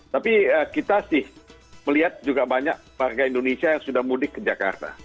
tapi kita sih melihat juga banyak warga indonesia yang sudah mudik ke jakarta